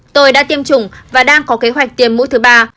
tôi đã tiêm chủng và đang có kế hoạch tiêm mũi thứ ba